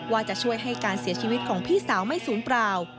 ว่าจะช่วยให้การเสียชีวิตของพี่สาวไม่ศูนย์เปล่า